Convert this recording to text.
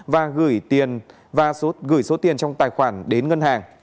và gửi số tiền trong tài khoản đến ngân hàng